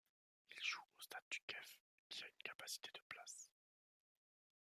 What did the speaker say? Il joue au stade du Kef qui a une capacité de places.